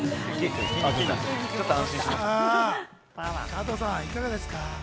加藤さん、いかがですか？